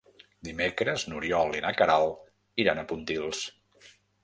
Dimecres n'Oriol i na Queralt iran a Pontils.